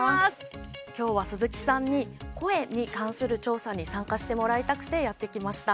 今日は鈴木さんに声に関する調査に参加してもらいたくてやって来ました。